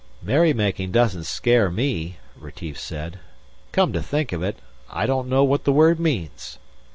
"Merrymaking doesn't scare me," Retief said. "Come to think of it, I don't know what the word means."